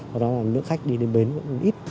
và đó là lượng khách đi lên bến cũng ít